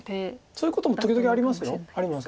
そういうことも時々あります。